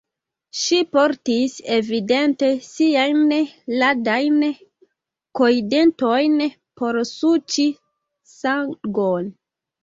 Ŝi portis, evidente, siajn ladajn kojndentojn, por suĉi sangon.